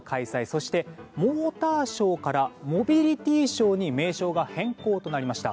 そしてモーターショーからモビリティショーに名称が変更となりました。